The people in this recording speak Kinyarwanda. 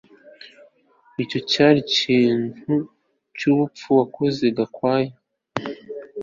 Icyo cyari ikintu cyubupfu wakoze Gakwaya